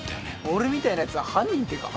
俺みたいな奴は犯人ってか。